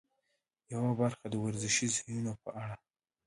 یوه برخه د ورزشي ځایونو په اړه.